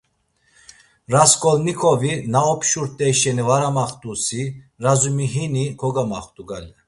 Rasǩolnikovi, na opşurt̆ey şeni var amaxt̆usi, Razumihini kogamaxt̆u gale.